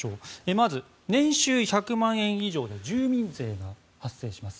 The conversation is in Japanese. まず年収１００万円以上で住民税が発生します。